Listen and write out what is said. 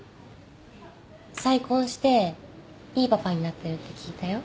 再婚していいパパになってるって聞いたよ